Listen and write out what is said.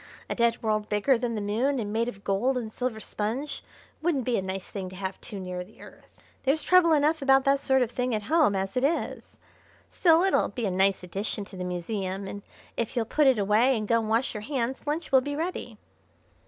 A dead world bigger than the Moon, and made of gold and silver sponge, wouldn't be a nice thing to have too near the Earth. There's trouble enough about that sort of thing at home as it is. Still, it'll be a nice addition to the museum, and if you'll put it away and go and wash your hands lunch will be ready."